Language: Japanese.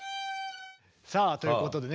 さあということでね